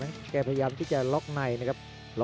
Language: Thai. กันต่อแพทย์จินดอร์